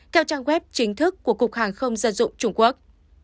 theo trang web chính thức của cục hàng không dân dụng trung quốc